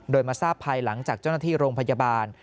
โดยมาทราบภายหลังจากเจ้าหน้าที่โรงพยาบาล